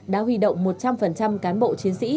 đã huy động một trăm linh cán bộ chiến sĩ